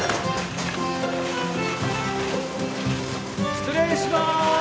失礼します。